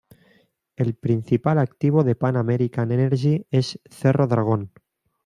El principal activo de Pan American Energy es Cerro Dragón.